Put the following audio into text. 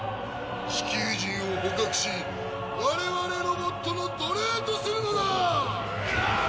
地球人を捕獲し我々ロボットの奴隷とするのだ！